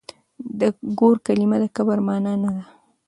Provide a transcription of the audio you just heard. د ګور کلمه د کبر مانا نه ده.